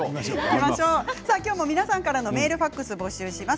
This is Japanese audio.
皆さんからのメール、ファックスを募集します。